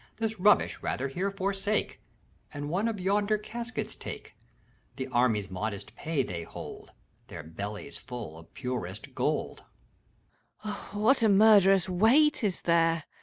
This rubbish, rather, here forsake, And one of yonder caskets take ! The army's modest pay they hold, Their bellies full of purest gold. SPEEDBOOTY. what a murderous weight is there